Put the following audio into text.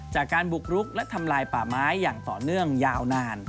จากการบุกรุกและทำลายป่าไม้อย่างต่อเนื่องยาวนาน